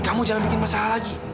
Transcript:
kamu jangan bikin masalah lagi